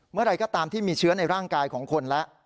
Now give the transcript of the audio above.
เมื่อไหร่ก็ตามที่มีเชื้อในร่างกายของคนแล้ว